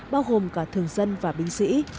bao gồm cả thường dân và binh sĩ